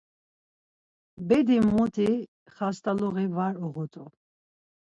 Bedi muti xast̆aluği var uğurt̆u.